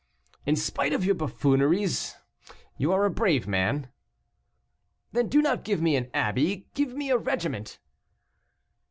"In spite of your buffooneries, you are a brave man." "Then do not give me an abbey, give me a regiment."